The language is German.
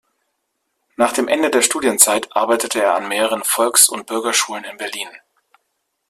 Nach dem Ende der Studienzeit arbeitete er an mehreren Volks- und Bürgerschulen in Berlin.